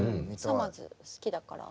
さまぁず好きだから。